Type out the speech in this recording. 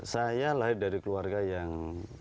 saya lahir dari keluarga yang